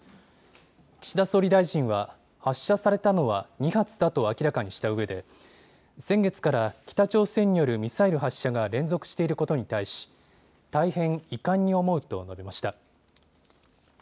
岸田総理大臣は発射されたのは２発だと明らかにしたうえで先月から北朝鮮によるミサイル発射が連続していることに対し大変遺憾に思うと述べました。